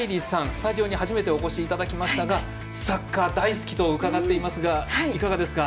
スタジオに初めてお越しいただきましたがサッカー大好きと伺っていますがいかがですか？